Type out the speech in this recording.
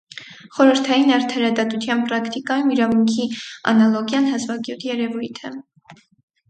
Խորհրդային արդարադատության պրակտիկայում իրավունքի անալոգիան հազվագյուտ երևույթ է։